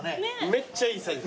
めっちゃいいサイズ。